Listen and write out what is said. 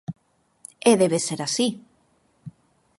E debe ser así.